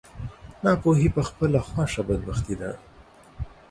ناپوهي په خپله خوښه بدبختي ده.